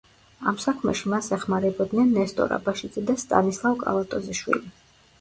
ამ საქმეში მას ეხმარებოდნენ ნესტორ აბაშიძე და სტანისლავ კალატოზიშვილი.